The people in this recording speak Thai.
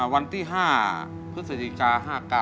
วันที่๕พฤศจิกา๕๙